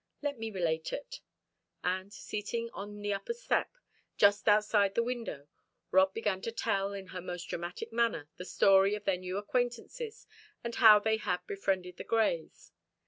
Let me relate it." And, seating herself on the upper step, just outside the window, Rob began to tell in her most dramatic manner the story of their new acquaintances and how they had befriended the Greys.